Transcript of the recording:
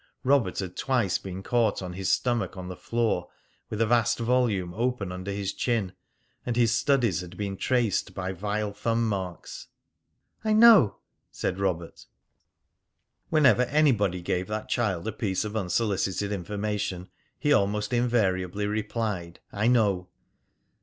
Robert had twice been caught on his stomach on the floor with a vast volume open under his chin, and his studies had been traced by vile thumb marks. "I know," said Robert. Whenever anybody gave that child a piece of unsolicited information, he almost invariably replied, "I know."